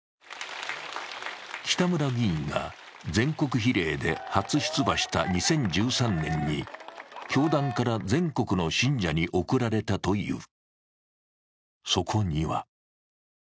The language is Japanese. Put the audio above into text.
北村議員が全国比例で初出馬した２０１３年に教団から全国の信者に送られたという。